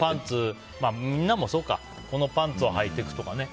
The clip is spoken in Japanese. みんなもそうかこのパンツをはいていくとかね。